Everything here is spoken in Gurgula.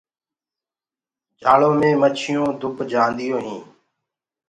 جآݪو مي مڇيونٚ دُب جآنديو هينٚ۔